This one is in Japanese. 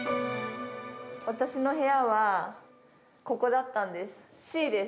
私の部屋は、ここだったんです。